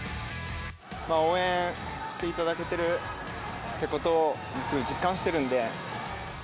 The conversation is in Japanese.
応援していただけてるってことを、すごい実感しているんで。